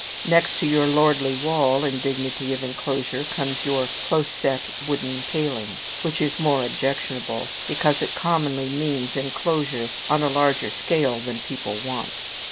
Next to your lordly wall, in dignity of enclosure, comes your close set wooden paling, which is more objectionable, because it commonly means enclosure on a larger scale than people want.